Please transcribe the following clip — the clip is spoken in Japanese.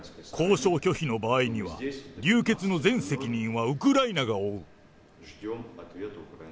交渉拒否の場合には、流血の全責任はウクライナが負う。